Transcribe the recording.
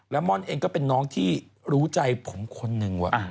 และม่อนเองก็เป็นน้องที่รู้ใจผมคนหนึ่งว่ะ